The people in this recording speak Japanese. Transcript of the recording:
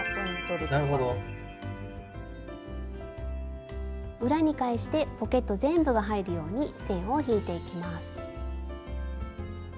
スタジオ裏に返してポケット全部が入るように線を引いていきます。